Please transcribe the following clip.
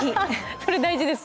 それ大事です。